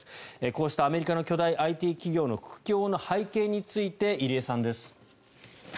こうしたアメリカの巨大ＩＴ企業の苦境の背景について入山さんです。